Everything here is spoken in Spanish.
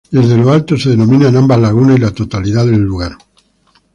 Desde lo alto se dominan ambas lagunas y la totalidad del sitio.